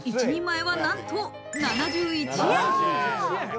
１人前はなんと７１円。